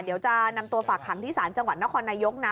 เดี๋ยวจะนำตัวฝากขังที่ศาลจังหวัดนครนายกนะ